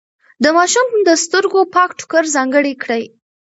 د ماشوم د سترګو پاک ټوکر ځانګړی کړئ.